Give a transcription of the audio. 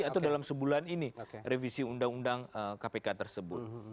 atau dalam sebulan ini revisi undang undang kpk tersebut